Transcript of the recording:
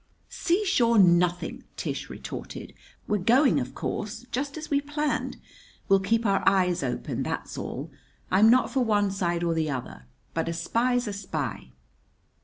"Seashore nothing!" Tish retorted. "We're going, of course, just as we planned. We'll keep our eyes open; that's all. I'm not for one side or the other, but a spy's a spy."